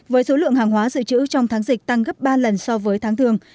với số lượng hàng hóa dự trữ trong tháng dịch tăng gấp ba lần so với tháng thường